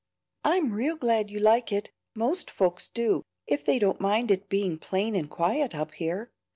"I'm real glad you like it; most folks do, if they don't mind it being plain and quiet up here.